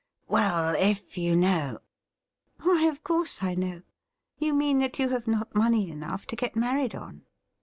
' Well, if you know ''' Why, of course I know. You mean that you have not money enough to get married on.'